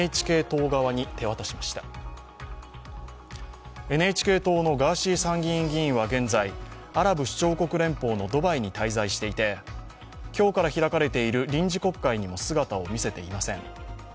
ＮＨＫ党のガーシー参議院議員は現在、アラブ首長国連邦のドバイに滞在していて、今日から開かれている臨時国会にも姿を見せていません。